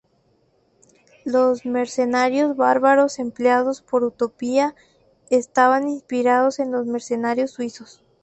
Los mercenarios bárbaros empleados por Utopía estaban inspirados en los mercenarios suizos.